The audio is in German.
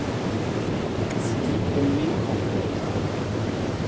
Sie liegt im Mekongdelta.